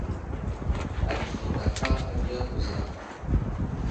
Adzik i tapa agiya kuza.